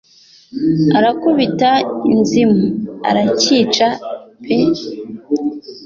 arakubita inzimu, aracyica pe